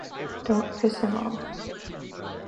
Don't piss him off